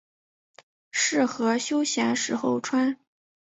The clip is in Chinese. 适合休闲时候穿。